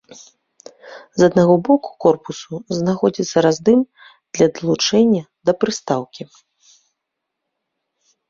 С аднаго боку корпусу знаходзіцца раздым для далучэння да прыстаўкі.